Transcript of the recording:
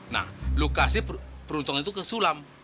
nah lo kasih peruntungan itu ke sulam